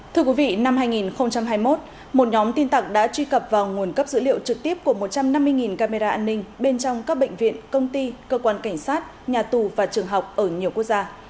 thưa quý vị năm hai nghìn hai mươi một một nhóm tin tặc đã truy cập vào nguồn cấp dữ liệu trực tiếp của một trăm năm mươi camera an ninh bên trong các bệnh viện công ty cơ quan cảnh sát nhà tù và trường học ở nhiều quốc gia